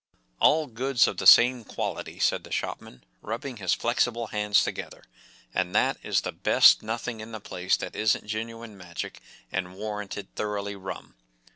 “All goods of the same quality,” said the shopman, rubbing his flexible hands together, “and that is the Best. Nothing in the place that isn't genuine Magic, and warranted thoroughly rum.